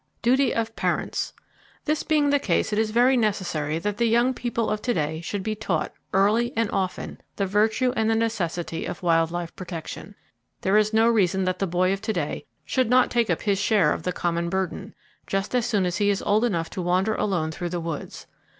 Duty Of Parents. —This being the case, it is very necessary that the young people of to day should be taught, early and often, the virtue and the necessity of wild life protection. There is no reason that the boy of to day should not take up his share of the common burden, just as soon as he is old enough to wander alone through the woods.